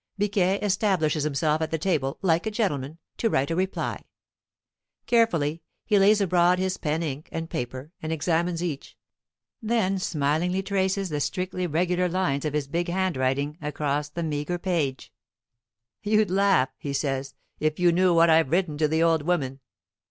Biquet establishes himself at the table, like a gentleman, to write a reply. Carefully he lays abroad his pen ink, and paper, and examines each, then smilingly traces the strictly regular lines of his big handwriting across the meager page. "You'd laugh," he says, "if you knew what I've written to the old woman."